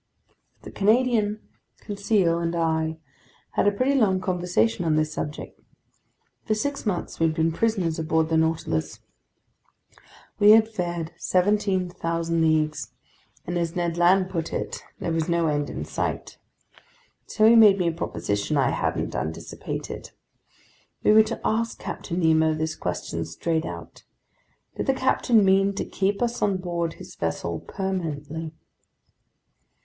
The Canadian, Conseil, and I had a pretty long conversation on this subject. For six months we had been prisoners aboard the Nautilus. We had fared 17,000 leagues, and as Ned Land put it, there was no end in sight. So he made me a proposition I hadn't anticipated. We were to ask Captain Nemo this question straight out: did the captain mean to keep us on board his vessel permanently?